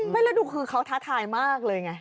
ไม่แล้วดูคือเขาท้าทายมากเลยไง